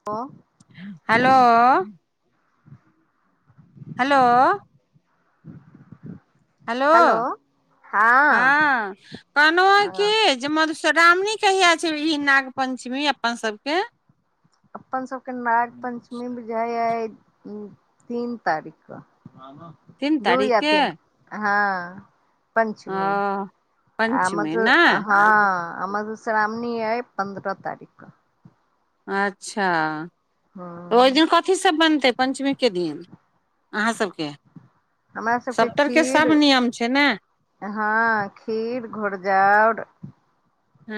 ह [unintelligible] hello hello ह [unintelligible] hello हँ कहलौ हँ कि [unintelligible] जे मधुश्रावणी कहिया छै ई नाग पंचमी अपन सबके अपन सभके नाग पंचमी बुझाइ तीन तारीख क तीन दू तारीख या के तीन हँ ओ पंचमी आ पंचमी मधु ने हँ आ मधु मधुश्रावणी अइ पन्द्रह तारीख के अच्छा हँ ओदिन की सब बनतै पंचमी के दिन अहाँ सबके हमरा सबके सबकरके खीर सब नियम छै ने हँ खीर घरजाउर हु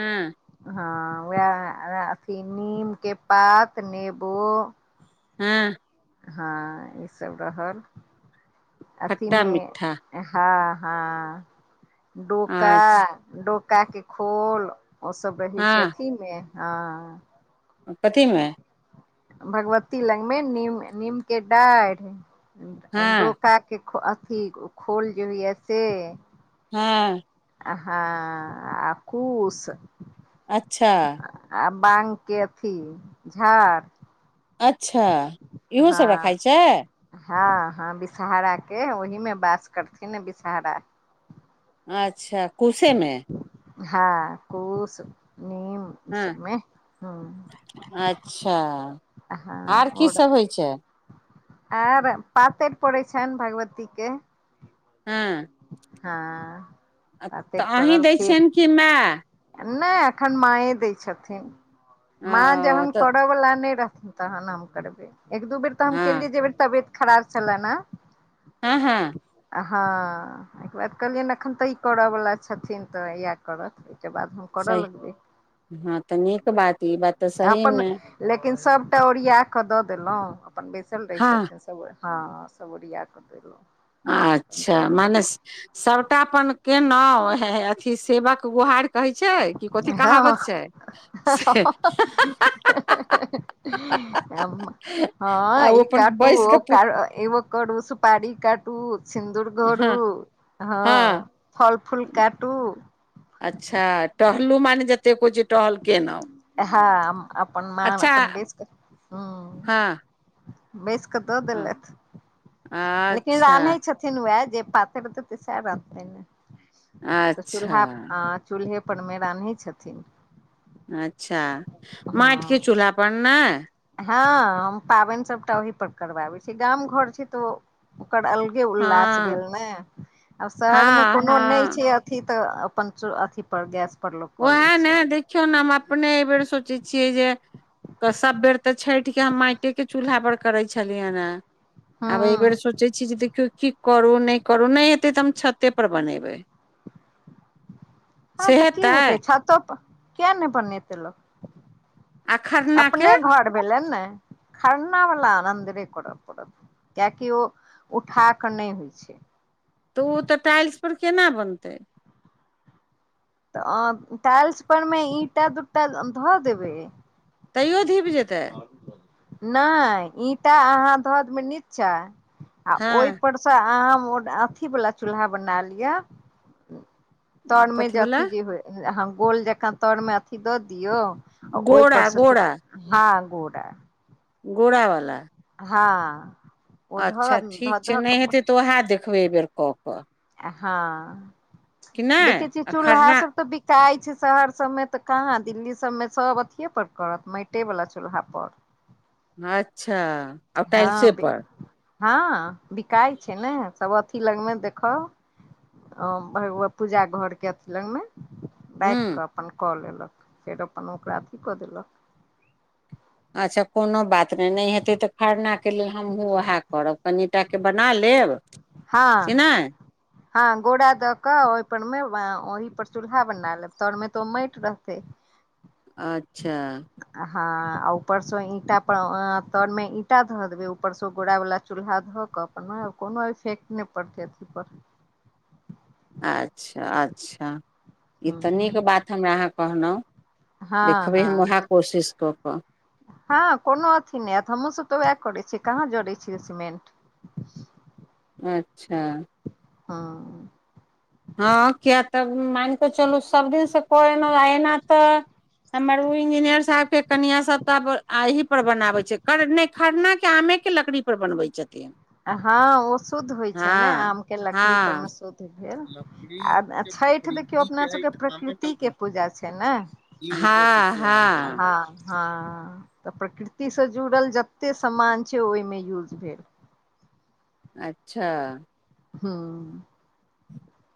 हँ उएह अथी नीम के पात नेबो [unintelligible] हँ [unintelligible] हँ ईसभ रहल धेय खट्टा मीठा [unintelligible] हँ हँ डोका अच्छा डोका के खोल ओसभ रहै छै हँ अथी मे हँ कथी मे भगवती लग मे नीम नीम के डार हँ प के अथी खोल जे हइय से [unintelligible] हँ हाँ आ खूस अच्छा आ बाग के अथी झाड़ अच्छा इहो सब हँ रखाइत छै हँ हँ विषहहारे ओहिमे वास करथिन विषहारा अच्छा कुसे मे हँ कुश नीम ई हं सबमे हँ अच्छा हँ आर की आओर सब होइ छै आर पातरि पड़ै छनि भगवती के हं हँ पातरि तऽ अहीं पड़ल दैय खीर छियन कि माय नहि एखन मांये दै छथिन मां ओ जहन तऽ करऽवला नहि रहथिन तहन हम करबै एक दू बेर तऽ हम हँ केलियै जे बेर तबियत खराब छलैन हं हँ हँ हँ एहिके बाद कहलियनि एखन तऽ ई करयवला छथिन तऽ इएह करत तके बाद हम करऽ सही लगलबै हँ तऽ नीक बात ई बात तऽ अपन सहीमे लेकिन सबटा ओरिया कऽ दऽ देलहुँ अपन बैसल रहै हँ छथिन सब हँ सब ओरिया अच्छा केलक मने सभटा अपन केलहुँ ह अथी सेबक गुहार कहै छै कि कथी हँ कहावत छै से आ हँ ओ ई अपन काटू बैस कऽ ओ करू सुपारी का टू सिन्दूर घोरू हँ हँ फल फुल काटू अच्छा टहलू मने जतेक हो छै टहल केेलहुँ हँ अपन मान अपन बेस हं हँ बैस कऽ दऽ हँ देलथि लेकिन अच्छा रान्है छथिन थीन वएह जे पातैर देतै सयह रन्हतै तऽ अच्छा चूल्हा अ हं चूल्हेपर मे रान्है छथिन अच्छा माटिके हँ चूल्हापर ने हँ हम पाबनि सबटा ओहि पर करबाबै छी गाम घर छै तऽ ओ ओकर अल गे उल्लास हँ भेल ने आब शहर मे हँ कोनो नहि हँ छै अथी तऽ अपन अथीपर गैस पर लोक कऽ ओएह लै ने छै देखियौ ने हम अपने एहि बेेर सोचै छियै जे सब बेर तऽ छठि के हम माइटे के चूल्हावर करे छलिय हं हँ आब एहि बेर सो चै छी जे देखियौ की करू नहि करू नहि हेतै तऽ हम छते पर बनेबै हँ तऽ की हेतै छतोपर किया नहि बनेतै लोक आ खरना के अपने घर भेलनि ने खरना वाला आनन्दरे करऽ पड़त कियाकि ओ उठा कऽ नहि होइ छै तऽ ओ तऽ टाइल्स पर केना बनतै तऽ टाइल्स पर मे ईंटा दूटा धऽ देबै तैयो धीप जेतै नहि ईटा अहाँ धऽ देबै नीच्चा आ हँ ओहिप स अहम अथी वाला चूल्हा बना लिअ तरमे कथी जे वला अथी जे हो गोल जकाँ तरमे अथि दऽ दियौ आ ओहि गोरा पर सँ चू गोरा हँ गोड़ा गोड़ा वला हँ ओ अच्छा धऽ ठीक धऽ छै धऽ नहि कऽ हेतै तऽ उएह देखबै एहिबेर कऽ कऽ हँ कि नहि देखे छी आ चूल्हा खरना सब तऽ बी काय छै शहर सब मे तऽ कहाँ दिल्ली सब मे सब अथिये पर करत माइटे वाला चूल्हा पर अच्छा आ टाइल्से हँ पर हँ बिकाय छै ने सभ अथी लगमे देखै भगवत पूजा घरके अथि लगमे हूँ राखि कऽ अपन कऽ लेलक फेर अपन ओकरा अथी कऽ देलक अच्छा कोनो बात नहि नहि हेतै तऽ खरनाके लेल हमहूँ वहे करब कनि टाके बना लेब कि हँ नहि हँ गोरा द के ओहि पर मे ओहि पर चूल्हा बना लेब तोर मे तो ओ माटि रहते [inaudible] अच्छा हँ आ ऊपरसँ ईंटा तरमे ईंटा धऽ देबै ऊपरसँ गोरा वला चूल्हा धऽ क कोनो कोनो इफेकट नहि पड़त अथि पर अच्छा अच्छा ई तऽ नीक बात हमरा अहाँ कहलहुँ हँ देखबै हँ हम उएह कोशिश कऽ कऽ हँ कोनो अथी नहि हैत हमहुँसभ तऽ उहे करै छीयै कहाँ जड़ै छीयै सीमेंट [inaudible] अच्छा हँ हँ किया तऽ मान कऽ चलू सभ दिनसँ कऽ एलहु एना तऽ हमर ओ इंजीनियर साहेब के कनिया सब तऽ आब एहि पर बनाबे छै कर नइ खरना के आमेक के लकड़ी पर बनबै छथिन हँ ओ शुद्ध होय छै ने हँ आम के लकड़ी पर म हँ शुद्ध भेल आ छठ देखियौ अपना सबके प्रकृति के पूजा छै न हँ हँ हँ तऽ प्रकृतिसँ जुड़ल जते समान छै ओहिमे यूज भेल अच्छा हुँ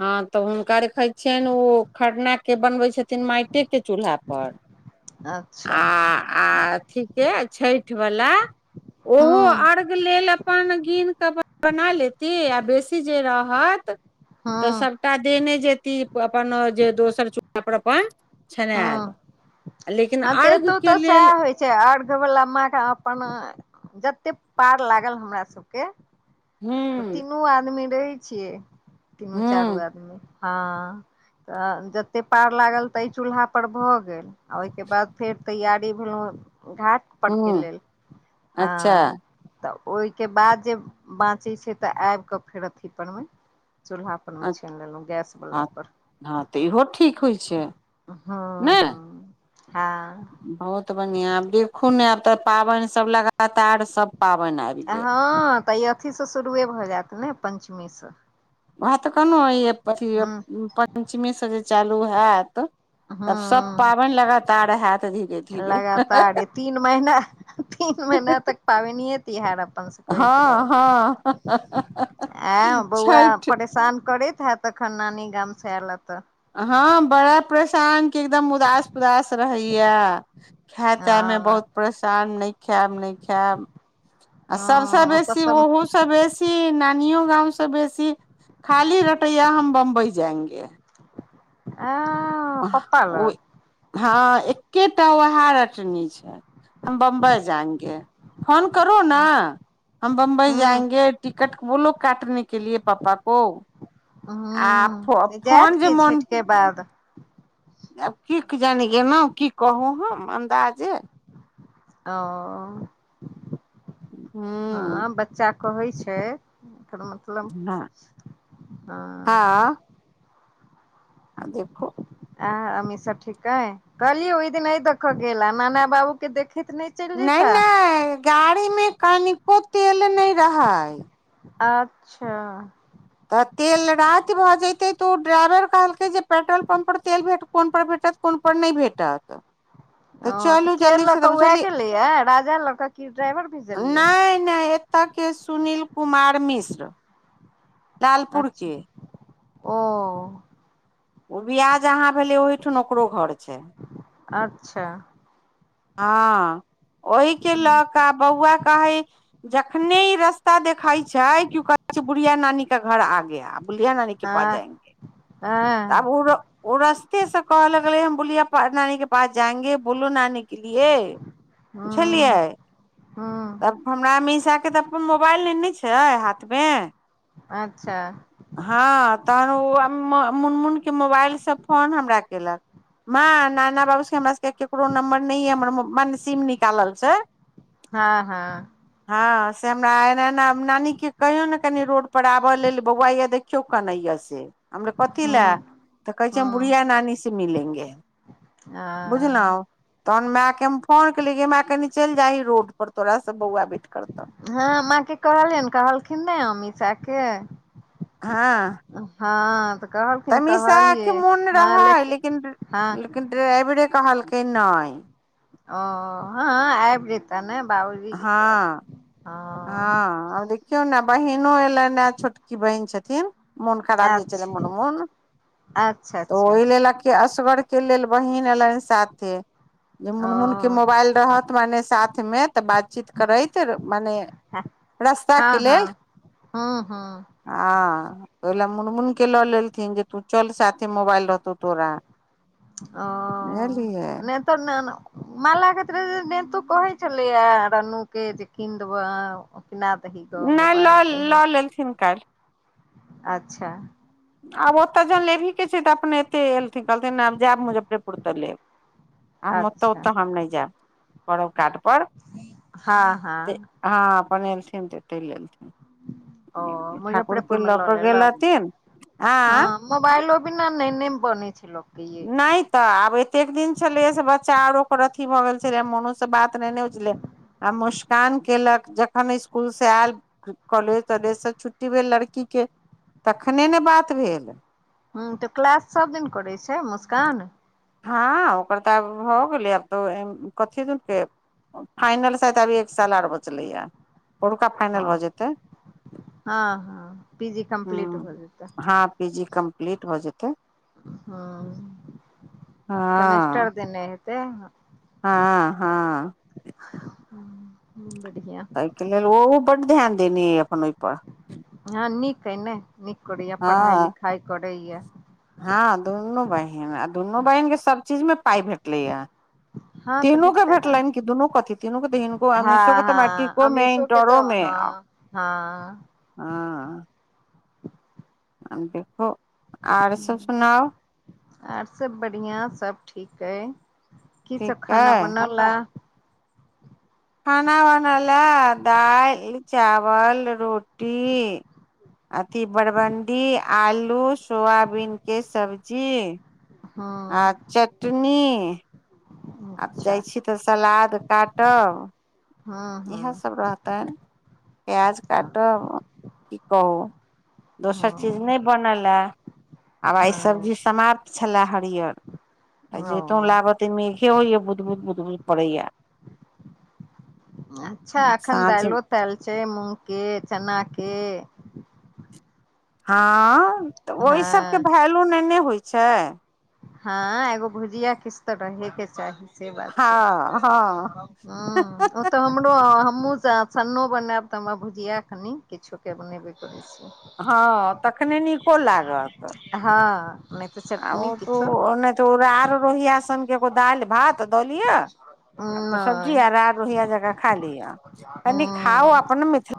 हँ तब हुनका रखे छियनि ओ खरना के बनवे छथिन माइटे के चूल्हा पर [inaudible] अच्छा आ आ हूँ अथि के छैठ वला ओहो अर्घ लेल अपन गीन कऽ बना लेती आ बेसी जे रहत तऽ हूँ सभटा देने जेयती अपन जे दोसर चूलहापर अपन छनायल हँ लेकिन अर्घके लेल अर्घ वला माँ के अपन जते पार लागल हमरा सबके तऽ हूँ तीनू आदमी रहै छियै तीनू चारू हूँ आदमी हँ तऽ जते पार लागल तऽ एहि चूल्हा पर भऽ गेल आ ओहिके बाद फेर तैयारी भेलहुँ घाट पर के हूँ लेल अच्छा हँ तऽ ओहिके बाद जे बाचे छै तऽ आब क फेर अथी पर मे चूल्हा पर मे अ छानि लेलहुँ गैस वला हँ पर हँ तऽ इहो ठीक होइ छै हँ ने हँ हँ त बढ़िया आब देखु ने आब ते पाबैन सब लगातार सब पाबैन आय हँ तऽ ई अथीसँ शुरुए भऽ जायत ने पञ्चमीसँ उएह तऽ कहनोहुँ ई अथी हूँ पञ्चमीसँ जे चालू हैत तब सभ हूँ पाबनि लगातार हैत धीरे धीरे लगातार तीन महीना तीन महिना तक पाबने तिहार अपन करैत हँ हँ रहब ए बौआ छठि परेशान करैत हैत तखन नानी गाम से आयला तऽ हँ बड़ा परेशानके एकदम उदास उदास रहै यऽ खाय तमे हँ बहुत परेशान नहि खायब नहि खायब सबसे हँ ओतऽ बेसी ओहो सब खुश स बेसी नानियो गाँंव से बेसी खाली रटैया हम बम्बई जाएंगे आ पप्पा ओ लग [unintelligible] हँ एकेटा वहा रटनी छै हम बम्बई जायंगे फोन करू ने हम बम्बई हूँ जाएंगे टिकट बो लोग काटने के लिए पप्पा को आ फ फोन जे मन के बाद आब की जानि गेलहुँ की कहू हम अन्दाजे ओ हु हँ बच्चा कहै छै ल देखो [unintelligible] अ देखू आ अी [unintelligible] सब ठीके कहलियै ओहि दिन अ देख गेल आ नाना बाबू के देखैत नहि चलि नहि जैता नहि गाड़ी मे कनिको तेल नहि रहै, अच्छा तऽ तेल रात भऽ जतै तऽ ओ ड्राइवर कहलकै जे पेट्रोल पम्प पर तेल कोन पर भेटत। कोन प नहि भेटत ह तऽ चलू तेल जल्दी लऽ से तऽ कऽ उएह बुझलियै गेलैए राजा लऽ क कि ड्राइवर भेजलियै नहि नहि एतऽ के सुनील कुमार मिश्र लालपुर के अच्छा ओ ओ बियाह जहाँ भेले ओहिठुन ओकरो घर छै अच्छा हँ ओहिके लऽ कऽ बौआ काहे जखने ई रस्ता देखई छै क्यू कहै छै बुढ़िया नानी के घर आ गया अब बुलिया नानी के पास आ जाएंगे तब हँ ओ रस्ते से कहऽ लगलेै बोलिए नानी के पास जायएंगे बोलो नानी के लिए हूँ बुझलियै हूँ तब हमरा मिसाके तऽ अपन मोबाइल नेने छै हाथमे अच्छा हँ तहन ओ मूनमुनके मोबाइल सँ फोन हमरा केलक मा नाना बाबू से हमरा सबके केकरो नम्बर नहि हमर मने सिम निकालल छै हँ हँ हँ से हमरा एना एना नानी के कहियो ने कनि रोड पर आबल लेल बौआ य देखयो चौका नहिये से हमरा कथी लए हूँ तऽ कहै छै हम बुढ़िया नानी से मिलेंगे हँ बुझलहुँ तहन मायके हम फोन केलियै कि माय कनि चलि जाही रोडपर तोरासँ बौआ भेठ करतौ हँ माँके कहलियनि कहलखिन नहि अमिसा के हँ हँ कहलखिन अमिसा के कहलियै मोन हँ रहै लेकिन हँ लेकिन ड्राइवरे कहलकै नहि ओ हँ आबि जेता ने बाबूजी हँ हँ हँ आब देख देखियौ ने बहिनो एलेन ए छोटकी बहिन छथिन मन खराब जे छलै मुन अच्छा मुन अच्छा तऽ अच्छा ओहि लेलक के असगर के लेल बहिन एयलनि साथे जे मुनमुन के ओ मोबाइल रहत मने साथ मे बातचित करैत मने रस्ता के हँ हँ लेल हँ हँ हँ ओहि ल मनमुन के लऽ लेलथिन जे तू चल साथे मोबाइल रहतौ तोरा ओ बुझलियै नहि तऽ न माला कहैत नेतू कहै छलैय रनु के जे कीन दब नहि तऽही नहि लऽ लऽ लेलखिन काल्हि अच्छा आब ओतऽ जहन लेबहीके छै तऽ अपन एतेक एयलथिन कहलथिन आब जायब मुजफ्फरपुर तऽ लेब आ हम तऽ ओ अच्छा तऽ हम नहि जाब करब काठ पर हँ से हँ हँ अपन एलथिन तऽ चैलि ओ एलथिन ठाकुर मुजफ्फरेपुर के मे लऽ कऽ गेल लेलक रहथिन आ हँ मोबाइलो बिना नहि नहि ने बने छै लोक के ये नहि तऽ आब एतेक दिन छलै से बच्चा आरो ओकर अथी भऽ गेल छलै मनुष से बात नहि ने छलैय आ मुस्कान केलक जखन स्कुल से आयल कॉलेज तॉलेजसँ छुट्टी भेल लड़कीके तखने ने बात भेल ह तऽ क्लास सब दिन करै छै मुस्कान हँ ओकर तऽ आब भऽ गेलै आब एम तऽ कथी देलकै फाइनल शायद तऽ अभी एक साल आर बचलैए पौरका हँ फाइनल भऽ जेतै हँ हँ पी जी कम्प्लीट ह हो जेतै हँ पी जी कम्प्लीट हो जेतै ह हँ सेमेस्टर देने हेतै हँ हँ बढ़िआ ओहो बड् ध्यान देने अपन एहि पर ह नीक अइ ने नीक करैया पढ़ाई हँ लिखाई करैया हँ दुनू बहीन आ दुनू बहीन केँ सभचीजमे पाइ भेटलैए [inaudible] हँ तऽ भेटतै ने कथी तीनू के तऽ हिनको हँ अमीषो के तऽ हँ मैट्रिको मे अमीशो के इंटरो तऽ मे हँ हँ हँ देखो आर सब सुनाउ आर सब बढ़िया सब ठीक अइ की सब ठीक खाना अइ बनौल ह खाना वाना लए दालि चावल रोटी अथी बड़वण्डी आलू सोयाबीनके सब्जी आ हूँ चटनी आब जाइ अच्छा छी तऽ सलाद काटब हूँ हूँ इएहसभ रहतनि प्याज काटब की कहू दोसर चीज हँ नहि बनलए आब आ ई हँ सब्जी समाप्त छलय हरियर जतोँ ओ लाब ते मेघे होइया बुध बुध बुध बुत पड़ैया अच्छा एखन साँझ दालिओ तालि छै मूँग केँ चना केँ हँ तऽ ओहि सबके हँ वैल्यू ने ने होइ छै हँ एगो भुजिया किछु तँ रहेके चाही से बात हँ छै हँ ह तऽ हमरो हमहुँसँ छन्नो बनायब तऽ हमरा भुजिया कनि किछुे बनेबे करै छी हँ तखने नीको लागत हँ नहि तऽ आ चटनी किछो नहि तऽ आरो रोहिया सन केँ एगो दालि भात दऽ लियअ त सब्जी नहि आर रोहिया जक खा ली कनि खाउ हूँ अपन मिथिला